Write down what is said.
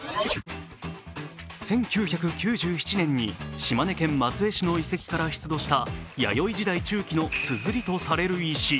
１９９７年に島根県松江市の遺跡から出土した弥生時代中期のすずりとされる石。